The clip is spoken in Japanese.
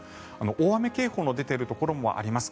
大雨警報の出ているところもあります。